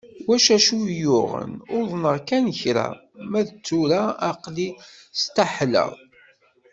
Uac acu iyi-yuɣen, uḍneɣ kan kra, ma d tura aql-i staḥlaɣ.